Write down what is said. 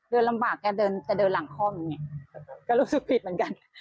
เดินลำบากแกจะเดินหลังห้องไงก็รู้สึกผิดเหมือนกัน